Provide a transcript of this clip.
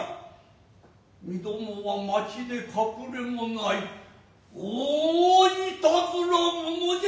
身共は町で隠れもない大いたづら者ぢや。